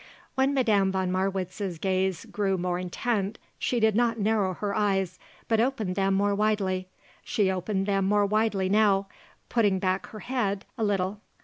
When Madame von Marwitz's gaze grew more intent she did not narrow her eyes, but opened them more widely. She opened them more widely now, putting back her head a little.